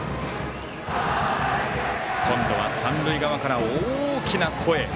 今度は三塁側から大きな声。